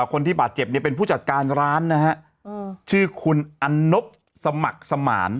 คนที่บาดเจ็บเนี่ยเป็นผู้จัดการร้านนะฮะชื่อคุณอันนบสมัครสมาน